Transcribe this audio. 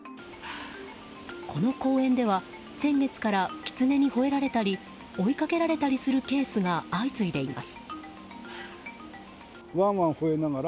この公園では先月からキツネにほえられたり追いかけられたりするケースが相次いでいます。